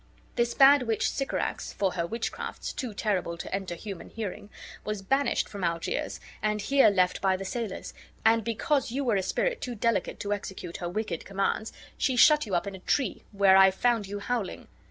This bad witch, Sycorax, for her witchcrafts, too terrible to enter human hearing, was banished from Algiers, and here left by the sailors ; and because you were a spirit too delicate to execute her wicked commands, she shut you up in a tree, where I found you howling.